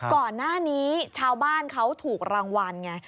ก่อนหน้านี้ชาวบ้านเขาถูกรางวัลไง